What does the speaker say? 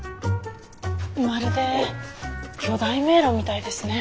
まるで巨大迷路みたいですね。